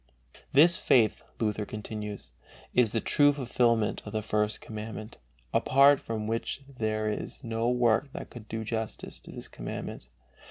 This faith, Luther continues, is "the true fulfilment of the First Commandment, apart from which there is no work that could do justice to this Commandment."